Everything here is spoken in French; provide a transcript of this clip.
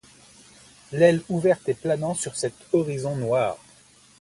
L’aile ouverte et planant sur cet horizon noir